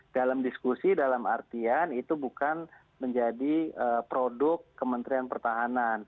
dalam diskusi dalam artian itu bukan menjadi produk kementerian pertahanan